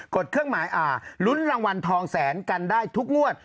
ดเครื่องหมายลุ้นรางวัลทองแสนกันได้ทุกงวด